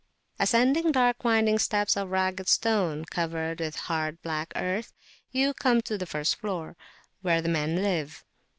Ascending dark winding steps of ragged stone covered with hard black earth, you come to the first floor, where the men live.